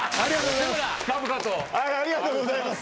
ありがとうございます。